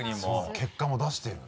結果も出してるんだ。